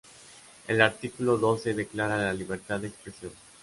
El artículo doce declara la libertad de expresión.